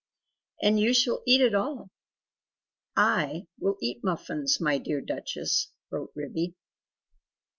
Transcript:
And YOU shall eat it all! I will eat muffins, my dear Duchess!" wrote Ribby.